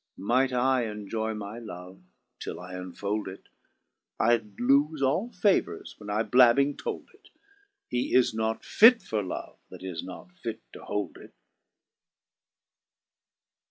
Might I enjoy my love till I unfold it, I'd lofe all favours when I blabbing told it : He is not fit for love that is not fit to hold it.